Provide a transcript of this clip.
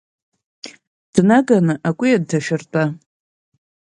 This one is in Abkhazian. Днаганы акәиа дҭашәыртәа!